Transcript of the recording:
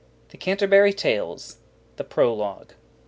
THE CANTERBURY TALES. THE PROLOGUE.